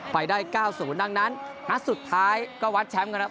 ไปได้๙๐ดังนั้นนัดสุดท้ายก็วัดแชมป์กันแล้ว